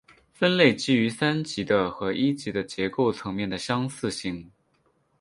分类基于三级的和一级的结构层面的相似性。